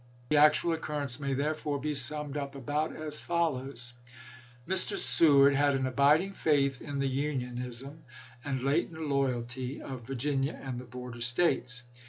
The actual occurrence may therefore be summed up about as follows: Mr. Seward had an abiding faith in the Union ism and latent loyalty of Virginia and the border States.